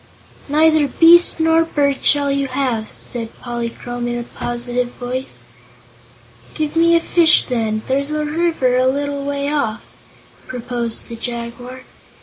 "Neither beast nor bird shall you have," said Polychrome in a positive voice. "Give me a fish, then; there's a river a little way off," proposed the Jaguar.